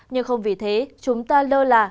nhưng không vì thế chúng ta lơ là